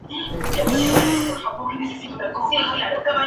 No tengo ganas de ser un abanderado.